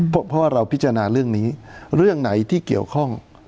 เพราะว่าเราพิจารณาเรื่องนี้เรื่องไหนที่เกี่ยวข้อง